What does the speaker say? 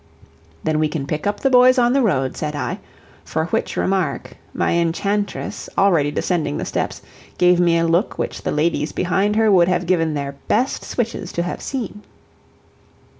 "Then we can pick up the boys on the road," said I, for which remark, my enchantress, already descending the steps, gave me a look which the ladies behind her would have given their best switches to have seen.